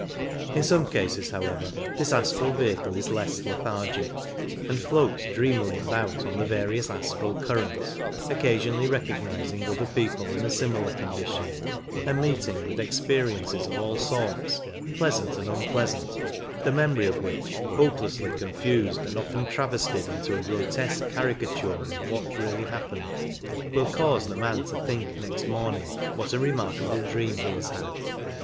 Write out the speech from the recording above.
In some cases, however, this astral vehicle is less lethargic, and floats dreamily about on the various astral currents, oc casionally recognizing other people in a similar condition, and meeting with experiences of all sorts, pleasant and un pleasant, the memory of which, hopelessly confused and often travestied into a grotesque caricature of what really happened, will cause the man to think next morning what £i remarkable dream he has hs^c).